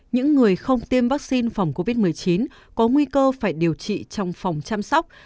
những người không tiêm vaccine phòng covid một mươi chín có nguy cơ phải điều trị trong phòng chăm sóc